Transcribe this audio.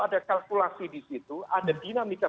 ada kalkulasi di situ ada dinamika